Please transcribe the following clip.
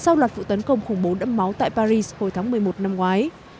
sau loạt vụ tấn công khủng bố đẫm máu tại paris hồi tháng một mươi một năm ngoái